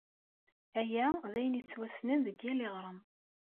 Aya d ayen yettwassnen deg yal iɣrem.